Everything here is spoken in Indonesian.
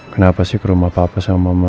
kenapa sih ke rumah papa sama mama